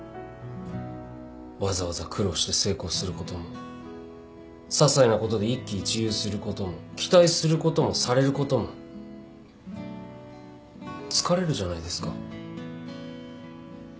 わざわざ苦労して成功することもささいなことで一喜一憂することも期待することもされることも疲れるじゃないですか。